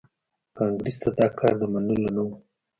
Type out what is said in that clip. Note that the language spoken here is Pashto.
کانګریس ته دا کار د منلو نه و.